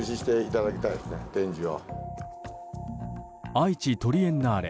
愛知トリエンナーレ